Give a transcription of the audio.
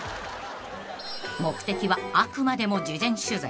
［目的はあくまでも事前取材］